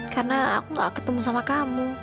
karena aku gak ketemu sama kamu